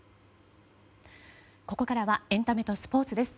ここからはエンタメとスポーツです。